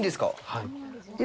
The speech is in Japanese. はい。